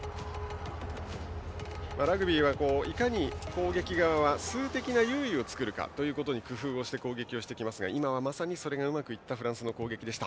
ラグビーはいかに攻撃側は数的な優位を作るかということに工夫をして攻撃をしてきますが今はまさにそれがうまくいったフランスの攻撃。